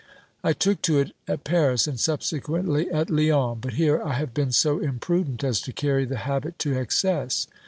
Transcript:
I took to it at Paris, and subsequently at Lyons, but here I have been so imprudent as to carry the habit to excess.